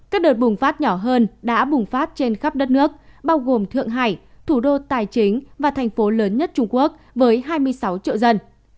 các đợt bùng phát nhỏ hơn đã bùng phát trên khắp đất nước bao gồm thượng hải thủ đô tài chính và thành phố lớn nhất trung quốc với hai mươi sáu triệu dân